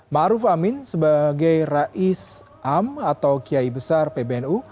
ma'ruf amin sebagai rais am atau kiai besar pbnu